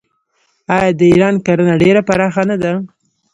آیا د ایران کرنه ډیره پراخه نه ده؟